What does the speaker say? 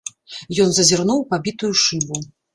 Ён зазірнуў у пабітую шыбу.